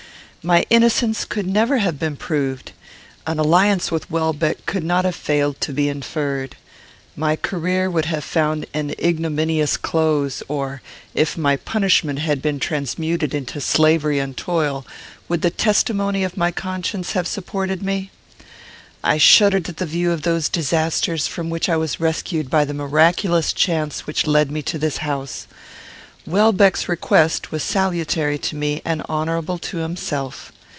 My innocence could never have been proved. An alliance with Welbeck could not have failed to be inferred. My career would have found an ignominious close; or, if my punishment had been transmuted into slavery and toil, would the testimony of my conscience have supported me? I shuddered at the view of those disasters from which I was rescued by the miraculous chance which led me to this house. Welbeck's request was salutary to me and honourable to himself.